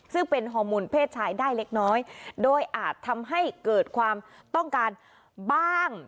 ซึ่งเป็นฮอร์โมนเพศชายได้เล็กน้อยโดยอาจทำให้เกิดความต้องการบ้าง